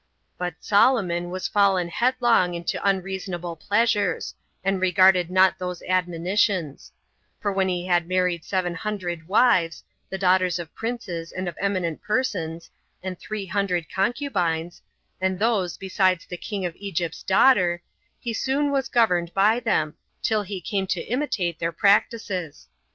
But Solomon was Gllen headlong into unreasonable pleasures, and regarded not those admonitions; for when he had married seven hundred wives, 19 the daughters of princes and of eminent persons, and three hundred concubines, and those besides the king of Egypt's daughter, he soon was governed by them, till he came to imitate their practices.